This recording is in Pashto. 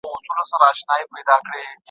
هغه په خپل مسلک کې ډېر مشهور شوی.